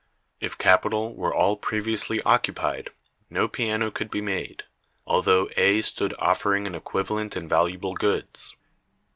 If capital were all previously occupied, no piano could be made, although A stood offering an equivalent in valuable goods.